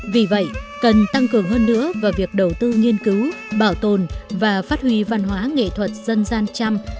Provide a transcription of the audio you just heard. vì vậy cần tăng cường hơn nữa vào việc đầu tư nghiên cứu bảo tồn và phát huy văn hóa nghệ thuật dân gian chăm